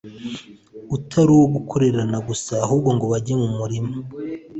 utari uwo gukorerana gusa, ahubwo ngo bajye mu murima,